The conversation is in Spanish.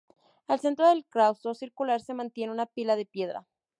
Al centro del claustro circular se mantiene una pila de piedra.